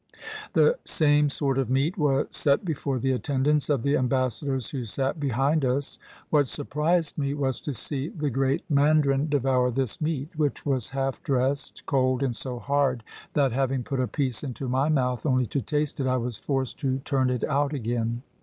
The same sort of meat was set before the attendants of the ambassadors who sat behind us. What surprised me was to see the Great Mandarin devour this meat, which was half dressed, cold, and so hard that, having put a piece into my mouth only to taste it, I was forced to turn it out again.